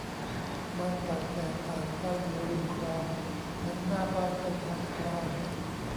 บ้านเก่าแก่ต่างสร้างอยู่ริมคลอง หันหน้าบ้านไปทางคลอง